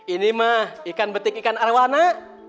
ini mah ikan betik ikan arowana